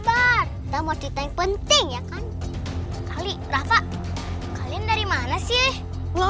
atau palsu mp tiga